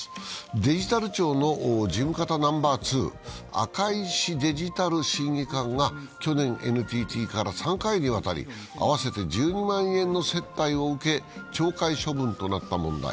デジタル庁の事務方ナンバー２、赤石デジタル審議官が去年、ＮＴＴから３回にわたり合わせて１２万円の接待を受け懲戒処分となった問題。